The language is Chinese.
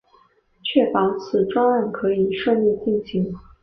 确保此专案可以顺利进行